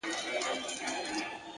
نیک نیت بدې فضاوې نرموي,